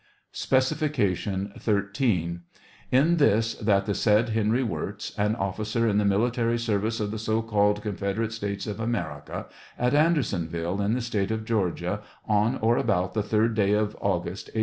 Specification 13. — In this : that the said Henry Wirz, an officer in tbe mili tary service of the so called Confederate States of America, at Andersonville, in the State of Georgia, on or about the third day of August, A.